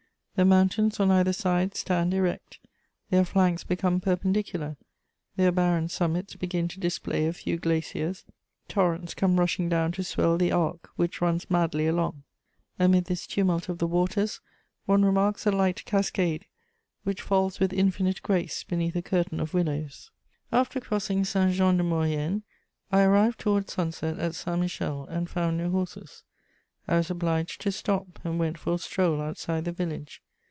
The mountains on either side stand erect; their flanks become perpendicular; their barren summits begin to display a few glaciers: torrents come rushing down to swell the Arc, which runs madly along. Amid this tumult of the waters, one remarks a light cascade which falls with infinite grace beneath a curtain of willows. After crossing Saint Jean de Maurienne I arrived towards sunset at Saint Michel, and found no horses. I was obliged to stop, and went for a stroll outside the village.